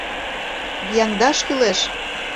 Вияҥдаш кӱлеш!